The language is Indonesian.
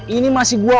ini masih gue yang cari